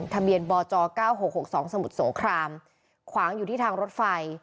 ทะเบียนบจ๙๖๖๒สมุทรสงครามขวางอยู่ที่ทางรถไฟ